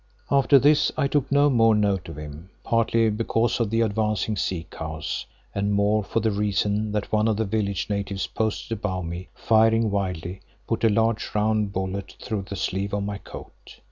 After this I took no more note of him, partly because of the advancing sea cows, and more for the reason that one of the village natives posted above me, firing wildly, put a large round bullet through the sleeve of my coat.